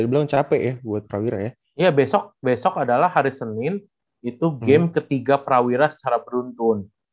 bilang capek ya buat prawira ya iya besok besok adalah hari senin itu game ketiga prawira secara beruntun